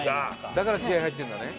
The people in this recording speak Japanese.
だから気合い入ってんだね？